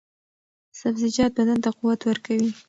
سبزیجات بدن ته قوت ورکوي.